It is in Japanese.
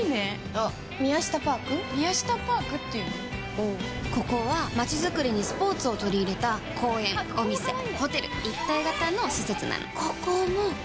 うんここは街づくりにスポーツをとり入れた公園・お店・ホテル一体型の施設なのここも三井不動産が手掛けてるの